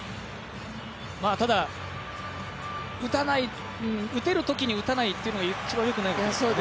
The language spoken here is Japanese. ただ、打てるときに打たないというのは一番よくないですからね。